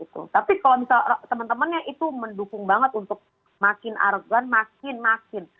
tapi kalau misal teman temannya itu mendukung banget untuk makin arogan makin makin